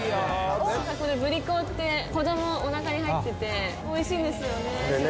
ブリコって子ども、おなかに入ってて、おいしいんですよね。